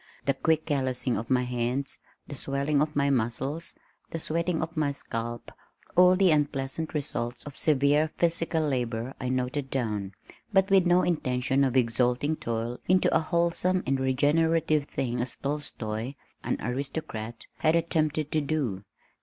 The quick callousing of my hands, the swelling of my muscles, the sweating of my scalp, all the unpleasant results of severe physical labor I noted down, but with no intention of exalting toil into a wholesome and regenerative thing as Tolstoi, an aristocrat, had attempted to do.